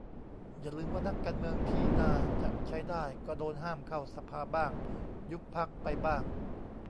อย่าลืมว่านักการเมืองที่น่าจะใช้ได้ก็โดนห้ามเข้าสภาบ้าง ยุบพรรคไปบ้าง